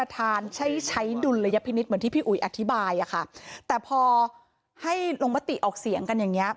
แต่พอให้ลงปฏิออกเสียงกันอย่างนี้